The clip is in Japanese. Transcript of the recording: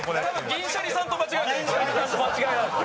銀シャリさんと間違えられて。